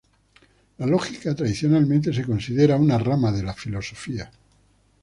La lógica tradicionalmente se consideró una rama de la filosofía.